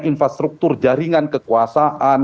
infrastruktur jaringan kekuasaan